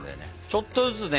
ちょっとずつね